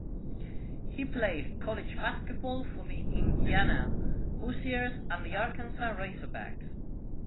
He played college basketball for the Indiana Hoosiers and the Arkansas Razorbacks.